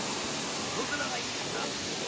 外面がいいんですな。